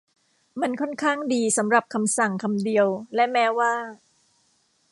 มันค่อนข้างดีสำหรับคำสั่งคำเดียวและแม้ว่า